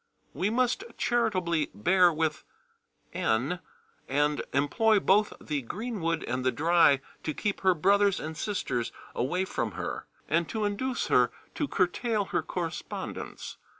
We must charitably bear with N., and employ both the green wood and the dry to keep her brothers and sisters away from her, and to induce her to curtail her correspondence.